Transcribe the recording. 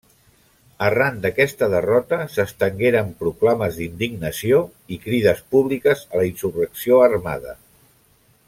Arran d'aquesta derrota s'estengueren proclames d'indignació i crides públiques a la insurrecció armada.